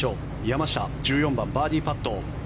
山下、１４番バーディーパット。